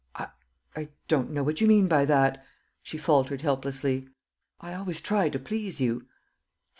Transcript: "I I don't know what you mean by that," she faltered helplessly, "I always try to please you."